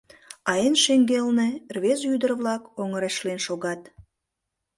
А эн шеҥгелне рвезе-ӱдыр-влак оҥырешлен шогат.